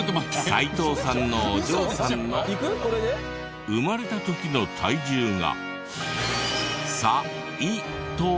齋藤さんのお嬢さんの生まれた時の体重が。